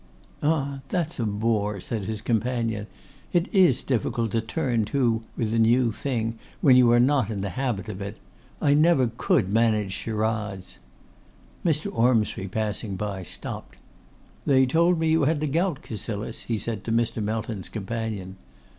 'Ah! that's a bore,' said his companion. 'It is difficult to turn to with a new thing when you are not in the habit of it. I never could manage charades.' Mr. Ormsby, passing by, stopped. 'They told me you had the gout, Cassilis?' he said to Mr. Melton's companion.